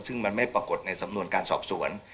ซึ่งมันไม่ปรากฏในสำนวนการสอบสวน